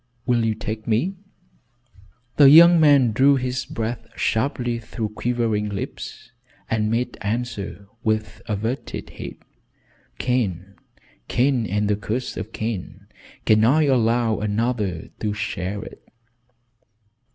Will you take me?" The young man drew in his breath sharply through quivering lips, and made answer with averted head: "Cain! Cain and the curse of Cain! Can I allow another to share it?"